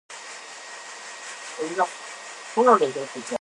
前世相欠債